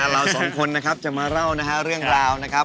เราทั้ง๒คนเราจะมาเล่าเรื่องราวนะครับ